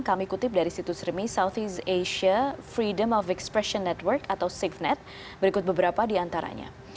kami kutip dari situs remi southeast asia freedom of expression network atau safenet berikut beberapa di antaranya